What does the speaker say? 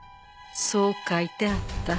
そう書いてあった。